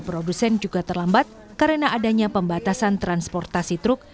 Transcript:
produsen juga terlambat karena adanya pembatasan transportasi truk